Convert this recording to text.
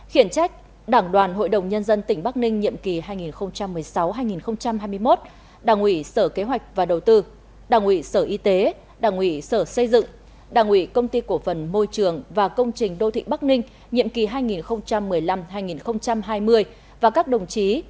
khiển trách đảng đoàn hội đồng nhân dân tỉnh bắc ninh nhiệm kỳ hai nghìn một mươi sáu hai nghìn hai mươi một đảng ủy sở kế hoạch và đầu tư đảng ủy sở y tế đảng ủy sở xây dựng đảng ủy công ty cổ phần môi trường và công trình đô thị bắc ninh nhiệm kỳ hai nghìn một mươi năm hai nghìn hai mươi và các đồng chí